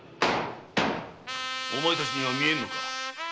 お前たちには見えぬのか。